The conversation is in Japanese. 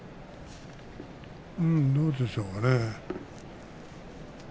どうでしょうかね。